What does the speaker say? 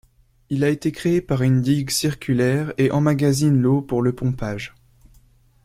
Il a été créé par une digue circulaire et emmagasine l'eau pour le pompage.